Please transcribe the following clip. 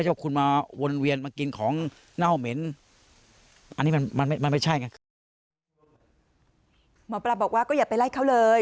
หมอปลาบอกว่าก็อย่าไปไล่เขาเลย